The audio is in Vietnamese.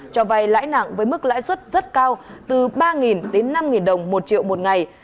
cho vay lãi nặng với mức lãi suất rất cao từ ba đến năm đồng một triệu một ngày